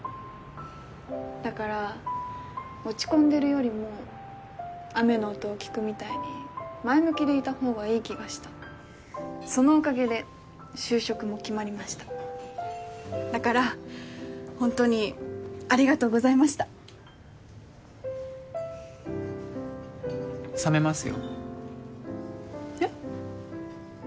だから落ち込んでるよりも雨の音を聞くみたいに前向きでいた方がいい気がしたそのおかげで就職も決まりましただからホントにありがとうございました冷めますよえっ？